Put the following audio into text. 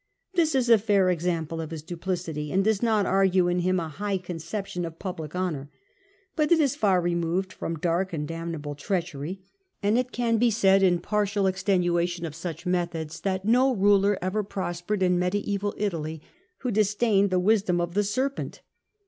This is a fair example of his duplicity and does not argue in him a high conception of public honour. But it is far removed from dark and damnable treachery, and it can be said in partial extenua tion of such methods that no ruler ever prospered in Mediaeval Italy who disdained the wisdom of the serpent.